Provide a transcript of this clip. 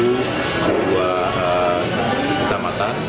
untuk kedua kecamatan